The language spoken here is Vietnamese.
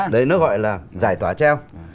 đấy nó gọi là giải tỏa treo